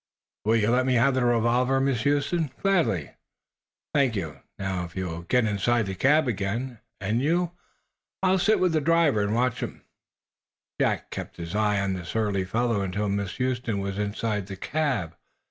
"Will you let me have the revolver, Miss Huston?" "Gladly." "Thank you. Now, if you will get inside he cab again." "And you?" "I'll sit with the driver and watch him," Jack kept his eye on the surly fellow until Miss Huston was inside the cab.